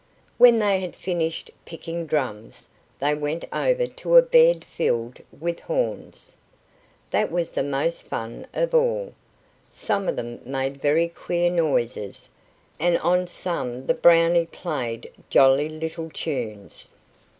When they had finished picking drums, they went over to a bed filled with horns. That was the most fun of all. Some of them made very queer noises, and on some the Brownie played jolly little tunes.